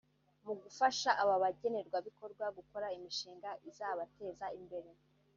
Mu gufasha aba bagenerwabikorwa gukora imishinga izabateza imbere